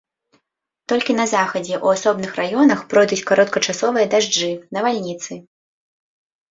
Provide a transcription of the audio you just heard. Толькі на захадзе ў асобных раёнах пройдуць кароткачасовыя дажджы, навальніцы.